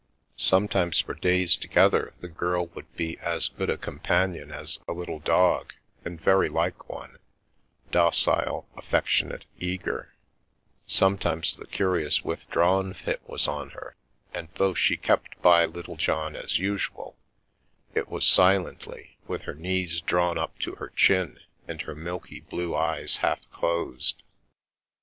Sometimes for days together the girl would be as good a companion as a little dog, and very like one— docile, affectionate, eager; sometimes the curious withdrawn fit was on her, and though she kept by Littlejohn as usual, it was silently, with her knees drawn up to her chin and her milky blue eyes half closed.